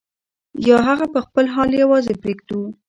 یا هغه په خپل حال یوازې پرېږدو.